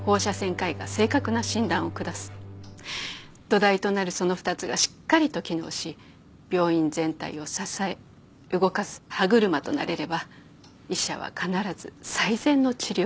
土台となるその２つがしっかりと機能し病院全体を支え動かす歯車となれれば医者は必ず最善の治療を行える。